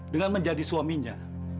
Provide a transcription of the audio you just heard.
dengan menjadi suaminya